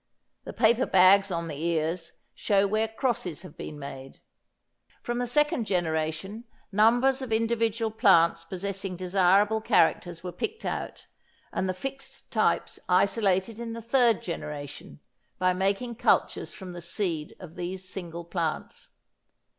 The paper bags on the ears show where crosses have been made. From the second generation numbers of individual plants possessing desirable characters were picked out, and the fixed types isolated in the third generation by making cultures from the seed of these single plants.